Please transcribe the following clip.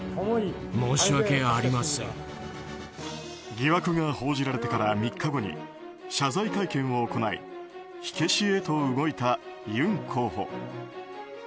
疑惑が報じられてから３日後に謝罪会見を行い火消しへと動いたユン候補。